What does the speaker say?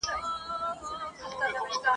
چا پر خرو چا به په شا وړله بارونه !.